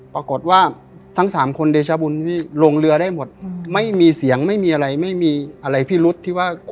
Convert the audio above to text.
ภาษาใต้เรียกพุ่งหลาว